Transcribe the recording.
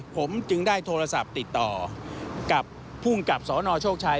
ผมจึงได้โทรศัพท์ติดต่อกับภูมิกับสนโชคชัย